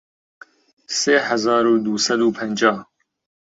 سێ هەزار و دوو سەد و پەنجا